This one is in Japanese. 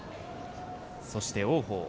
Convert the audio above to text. そして、王鵬。